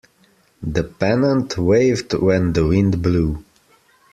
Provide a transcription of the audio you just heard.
The pennant waved when the wind blew.